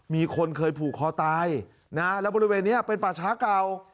มีคนเคยผูกคอตายนะแล้วบริเวณนี้เป็นป่าช้าเก่า